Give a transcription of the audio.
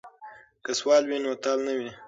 که سوله وي نو تال نه وي.